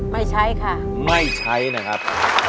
ไม่ใช้ค่ะไม่ใช้นะครับ